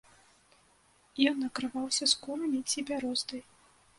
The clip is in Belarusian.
Ён накрываўся скурамі ці бяростай.